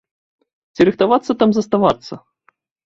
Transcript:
Ці рыхтавацца там заставацца?